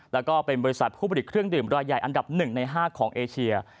แล้วก็เป็นบริษัทผู้ผลิตเครื่องดื่มรายใหญ่อันดับ๑ใน๕ของเอเชีย